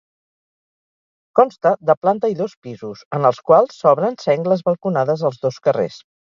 Consta de planta i dos pisos, en els quals s'obren sengles balconades als dos carrers.